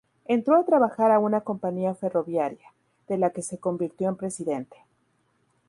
Entró a trabajar a una compañía ferroviaria, de la que se convirtió en presidente.